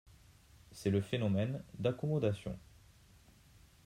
C'est le phénomène d'accommodation.